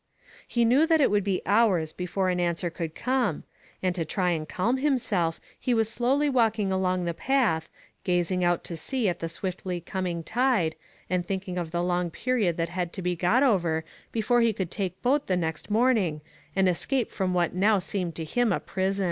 He knew that it would be hours before an answer could come, and to try and calm himself he was slowly walking along the path, gazing out to sea at the swiftly coming tide, and thinking of the long period that had to be got over before he could take boat the next morning, and escape from what now seemed to him a prison.